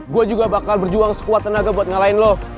gue juga bakal berjuang sekuat tenaga buat ngalahin loh